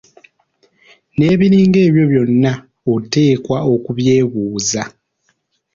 N'ebiringa ebyo byonna oteekwa okubyebuuza.